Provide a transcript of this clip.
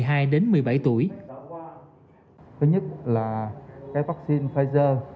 cái nhất là cái vaccine pfizer